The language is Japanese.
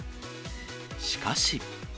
しかし。